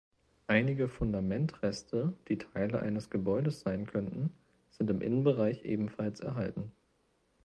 Einige Fundamentreste, die Teile eines Gebäudes sein könnten, sind im Innenbereich ebenfalls erhalten.